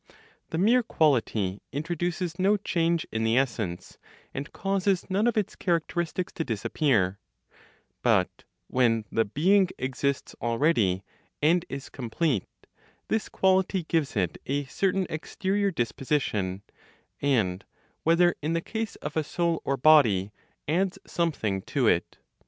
The mere quality introduces no change in the essence, and causes none of its characteristics to disappear; but, when the being exists already, and is complete, this quality gives it a certain exterior disposition; and, whether in the case of a soul or body, adds something to it.